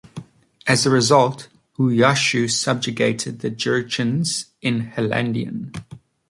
As a result, Wuyashu subjugated the Jurchens in Helandian.